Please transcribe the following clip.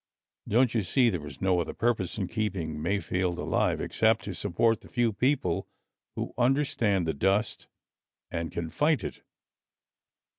Don't you see there is no other purpose in keeping Mayfield alive except to support the few people who understand the dust and can fight it?